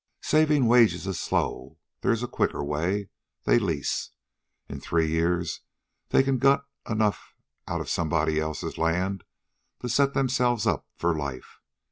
Saving wages is slow. There is a quicker way. They lease. In three years they can gut enough out of somebody else's land to set themselves up for life.